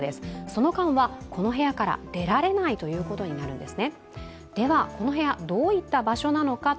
その間、この部屋から出られないということになるんです。